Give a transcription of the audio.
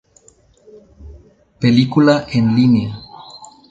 Película en línea.